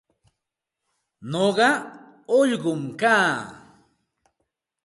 Nuqa ullqum kaa.